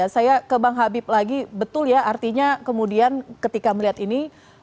saya ke bang habib lagi betul ya artinya kemudian ketika melihat ini